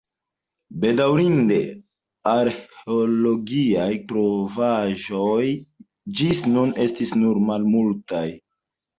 Bedaŭrinde arĥeologiaj trovaĵoj ĝis nun estis nur malmultaj.